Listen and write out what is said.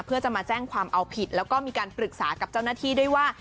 เพื่อจะมาแจ้งความเอาผิดแล้วก็มีการปรึกษากับเจ้าหน้าที่ด้วยว่า